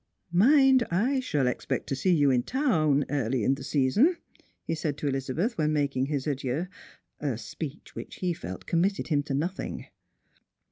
" Mind, I shall expect to see you in town early in the season," he said to Elizabeth, when making his adieux. A speech which he felt committed him to nothing.